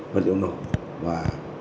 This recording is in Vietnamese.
và liệu nổ và